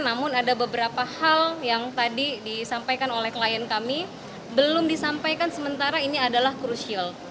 namun ada beberapa hal yang tadi disampaikan oleh klien kami belum disampaikan sementara ini adalah krusial